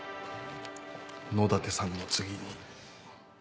野立さんの次に。